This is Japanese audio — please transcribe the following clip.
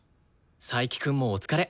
佐伯くんもお疲れ。